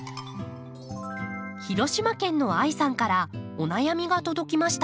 広島県のあいさんからお悩みが届きました。